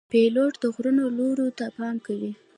پیلوټ د غرونو لوړو ته پام کوي.